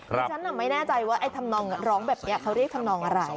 ฉันไม่แน่ใจว่าไอ้ทำนองร้องแบบนี้เขาเรียกทำนองอะไร